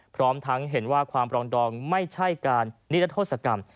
พร้อมทั้งเห็นว่าความปรองดองไม่ใช่การนิรัทธศกรรม